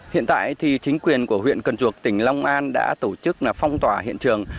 hiện tại thì chính quyền của huyện cần duộc tỉnh long an đã tổ chức phong tỏa hiện trường